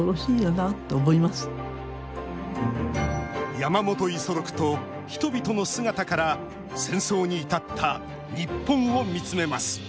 山本五十六と人々の姿から戦争に至った日本を見つめます